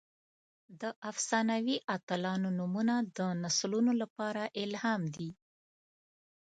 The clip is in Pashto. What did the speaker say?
د افسانوي اتلانو نومونه د نسلونو لپاره الهام دي.